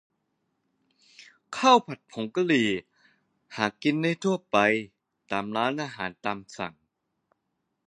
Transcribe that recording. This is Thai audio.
ข้าวผัดผงกะหรี่ หากินได้ทั่วไปตามร้านอาหารตามสั่ง